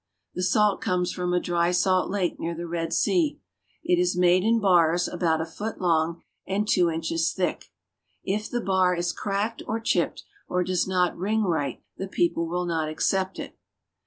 The salt comes from a dry salt lake near the Red Sea. It is made in bars about a foot long and two inches thick. If the bar is cracked or chipped or does not ring right, the people will not accept it.